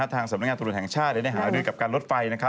ทางสำนักงานตรวจแห่งชาติได้หารือกับการลดไฟ